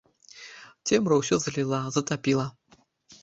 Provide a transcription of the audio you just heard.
Цемра ўсё заліла, затапіла.